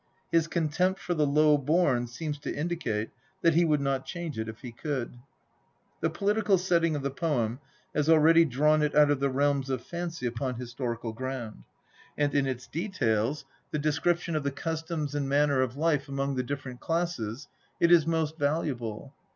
His contempt for the low born seems to indicate that he would not change it if he could. The political setting of the poem has already drawn it out of the realms of fancy upon historical ground; and in its details, the Ui THE POETIC EDDA. description of the customs and manner of life among the different classes, it is most valuable.